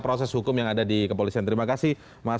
proses hukum yang ada di kepolisian terima kasih mas